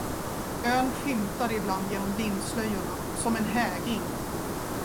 Ön skymtade ibland genom dimslöjorna, som en hägring.